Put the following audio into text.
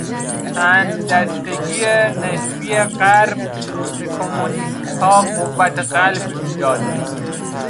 چند دستگی نسبی غرب به کمونیستها قوت قلب میداد.